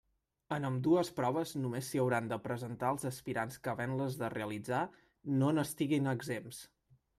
En ambdues proves només s'hi hauran de presentar els aspirants que havent-les de realitzar no n'estiguin exempts.